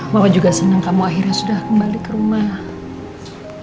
mama juga senang kamu akhirnya sudah kembali ke rumah